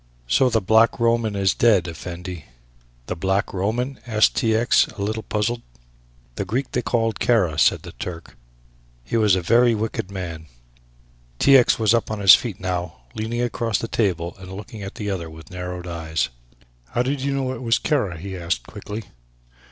"So the Black Roman is dead, Effendi." "The Black Roman?" asked T. X., a little puzzled. "The Greek they call Kara," said the Turk; "he was a very wicked man." T. X. was up on his feet now, leaning across the table and looking at the other with narrowed eyes. "How did you know it was Kara?" he asked quickly.